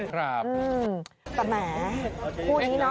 ครับแต่แหมคู่นี้เนอะ